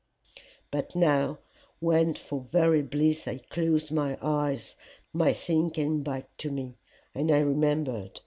But now when for very bliss I closed my eyes, my sin came back to me, and I remembered.